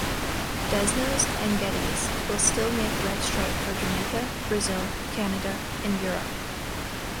Desnoes and Geddes will still make Red Stripe for Jamaica, Brazil, Canada and Europe.